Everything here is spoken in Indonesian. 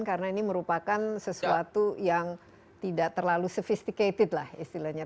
karena ini merupakan sesuatu yang tidak terlalu sophisticated lah istilahnya